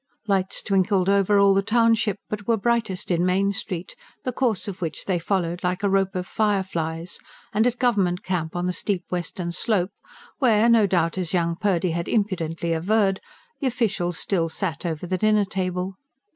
Lights twinkled over all the township, but were brightest in Main Street, the course of which they followed like a rope of fireflies, and at the Government Camp on the steep western slope, where no doubt, as young Purdy had impudently averred, the officials still sat over the dinner table.